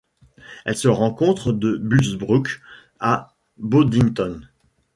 Elle se rencontre de Bullsbrook à Boddington.